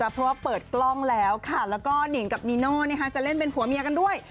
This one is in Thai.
เพราะว่าเปิดกล้องแล้วค่ะแล้วก็หนิ่งกับนีโน่จะเล่นเป็นผัวเมียกันด้วย